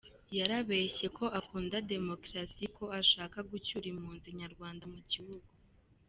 Yarabeshye ko akunda demokarasi, ko ashaka gucyura impunzi nyarwanda mu gihugu.